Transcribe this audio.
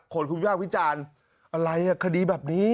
คนคุณวิภาควิจารณ์อะไรคดีแบบนี้